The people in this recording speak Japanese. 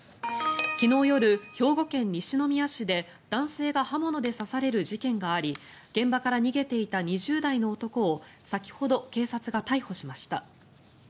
昨日夜、兵庫県西宮市で男性が刃物で刺される事件があり現場から逃げていた２０代の男を先ほど警察が逮捕しました。